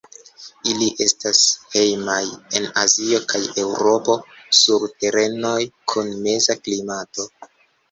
Ili estas hejmaj en Azio kaj Eŭropo sur terenoj kun meza klimato.